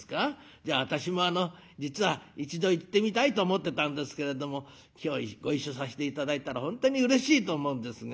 じゃあ私もあの実は一度行ってみたいと思ってたんですけれども今日ご一緒させて頂いたら本当にうれしいと思うんですが」。